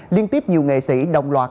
liên tiếp nhiều nghệ sĩ đồng loạt